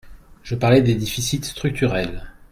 Je parlais des déficits structurels.